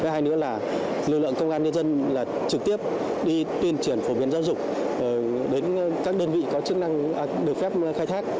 hai nữa là lực lượng công an nhân dân là trực tiếp đi tuyên truyền phổ biến giáo dục đến các đơn vị có chức năng được phép khai thác